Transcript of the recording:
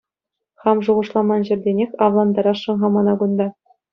Хам шухӑшламан ҫӗртенех авлантарасшӑн-ха мана кунта.